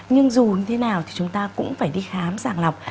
nhưng dù như thế nào thì chúng ta cũng phải đi khám sàng lọc